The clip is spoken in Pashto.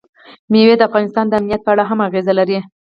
مېوې د افغانستان د امنیت په اړه هم اغېز لري.